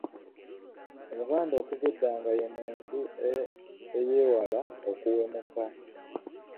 Omuganda okuva edda nga ye muntu eyeewala okuwemuka.